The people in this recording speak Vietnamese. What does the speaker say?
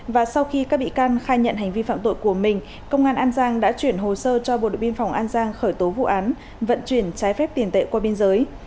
và sau khi các bị can khai nhận hành vi phạm tội của mình công an an giang đã chuyển hồ sơ cho bộ đội biên phòng an giang khởi tố vụ án vận chuyển trái phép tiền tệ qua biên giới